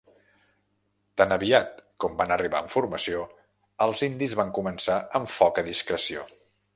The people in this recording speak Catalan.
Tan aviat com van arribar en formació, els indis van començar amb foc a discreció.